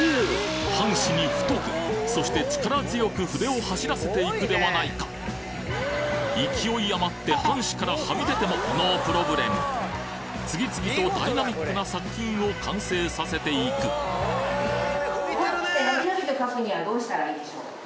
半紙に太くそして力強く筆を走らせていくではないか勢いあまって半紙からはみ出てもノープロブレム次々とダイナミックな作品を完成させていくどうしたらいいでしょうか？